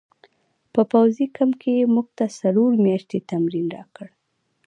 په پوځي کمپ کې یې موږ ته څلور میاشتې تمرین راکړ